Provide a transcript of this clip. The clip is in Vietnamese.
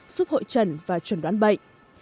giúp hội trần và chuẩn đoán bệnh